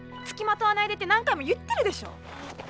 つきまとわないでって何回も言ってるでしょ。